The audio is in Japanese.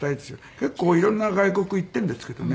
結構色んな外国行ってるんですけどね